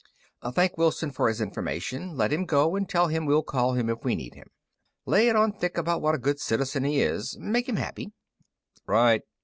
"Thank Wilson for his information, let him go, and tell him we'll call him if we need him. Lay it on thick about what a good citizen he is. Make him happy." "Right."